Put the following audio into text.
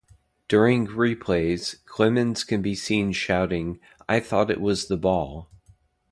During replays, Clemens can be seen shouting I thought it was the ball!